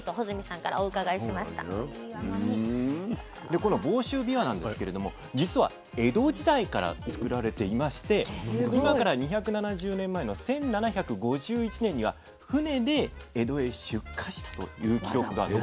この房州びわなんですけれどもじつは江戸時代から作られていまして今から２７０年前の１７５１年には船で江戸へ出荷したという記録が残っているんです。